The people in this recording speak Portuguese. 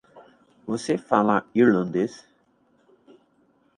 Você fala irlandês?